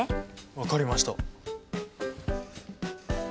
分かりました。